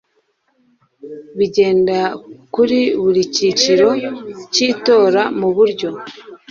bigenda kuri buri cyiciro cy itora mu buryo